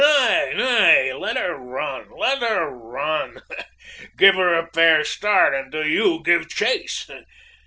"Nay, nay, let her run! Let her run! Give her a fair start, and do you give chase!